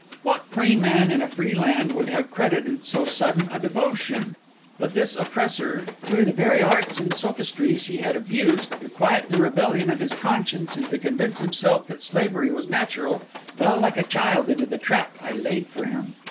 What free man in a free land would have credited so sudden a devotion? But this oppressor, through the very arts and sophistries he had abused, to quiet the rebellion of his conscience and to convince himself that slavery was natural, fell like a child into the trap I laid for him.